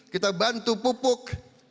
kita bantu pupuk